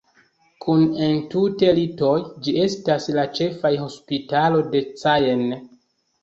Kun entute litoj, ĝi estas la ĉefa hospitalo de Caen.